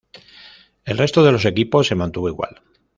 El resto de los equipos se mantuvo igual.